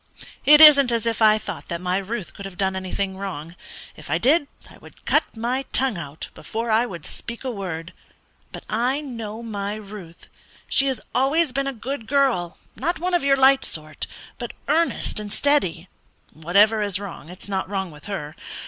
It isn't as if I thought that my Ruth could have done anything wrong. If I did, I would cut my tongue out before I would speak a word. But I know my Ruth. She has always been a good girl: not one of your light sort, but earnest and steady. Whatever is wrong, it's not wrong with her.